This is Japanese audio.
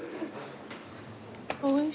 おいしい。